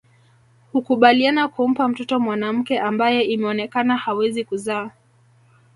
Hukubaliana kumpa mtoto mwanamke ambaye imeonekana hawezi kuzaa